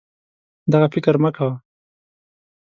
دغه فکر مه کوه